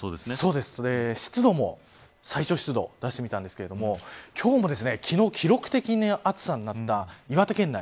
湿度も最小湿度を出してみたんですけど今日も昨日も記録的な暑さになった岩手県内